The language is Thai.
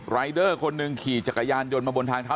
รายเดอร์คนหนึ่งขี่จักรยานยนต์มาบนทางเท้า